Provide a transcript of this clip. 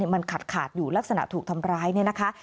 มันขาดอยู่ลักษณะถูกทำร้ายเนี่ยนะคะ